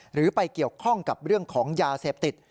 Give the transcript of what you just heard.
หรือไปเกี่ยวข้องกับเรื่องของยาเสพติด